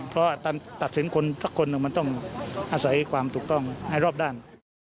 เพราะการตัดสินคนสักคนหนึ่งมันต้องอาศัยความถูกต้องให้รอบด้าน